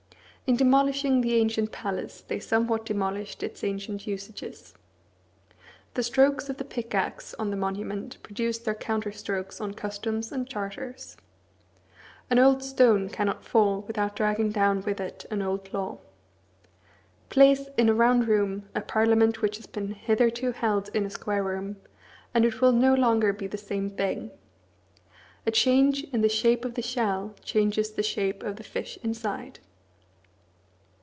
In demolishing the ancient palace they somewhat demolished its ancient usages. The strokes of the pickaxe on the monument produce their counter strokes on customs and charters. An old stone cannot fall without dragging down with it an old law. Place in a round room a parliament which has been hitherto held in a square room, and it will no longer be the same thing. A change in the shape of the shell changes the shape of the fish inside.